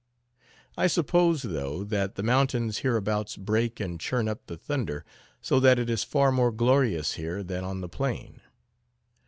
I suppose, though, that the mountains hereabouts break and churn up the thunder, so that it is far more glorious here than on the plain.